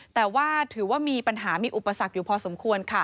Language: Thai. แต่ว่าถือว่ามีปัญหามีอุปสรรคอยู่พอสมควรค่ะ